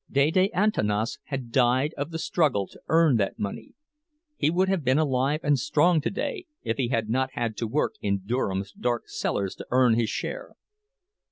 Dede Antanas had died of the struggle to earn that money—he would have been alive and strong today if he had not had to work in Durham's dark cellars to earn his share.